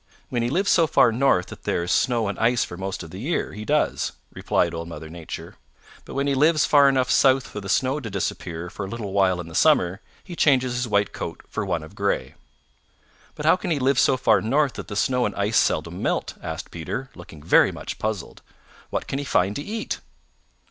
"When he lives so far north that there is snow and ice for most of the year, he does," replied Old Mother Nature. "But when he lives far enough south for the snow to disappear for a little while in the summer, he changes his white coat for one of gray." "But how can he live so far north that the snow and ice seldom melt?" asked Peter, looking very much puzzled. "What can he find to eat?"